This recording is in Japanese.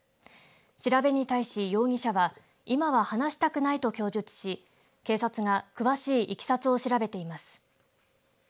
調べに対し、容疑者は今は話したくないと供述し警察が詳しいいきさつを調べています。